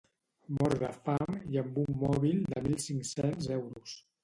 Mort de fam i amb un mòbil de mil cinc-cents Euros